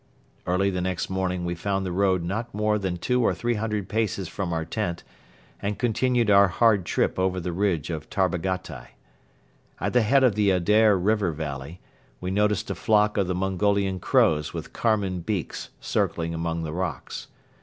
Early the next morning we found the road not more than two or three hundred paces from our tent and continued our hard trip over the ridge of Tarbagatai. At the head of the Adair River valley we noticed a flock of the Mongolian crows with carmine beaks circling among the rocks.